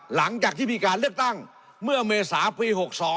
หลังจากที่มีการเลือกตั้งเมื่อเมษาปี๖๒